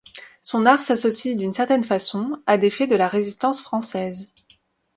Son art s'associe d’une certaine façon à des faits de la Résistance française.